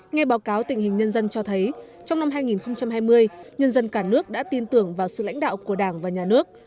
nghe báo cáo tình hình nhân dân cho thấy trong năm hai nghìn hai mươi nhân dân cả nước đã tin tưởng vào sự lãnh đạo của đảng và nhà nước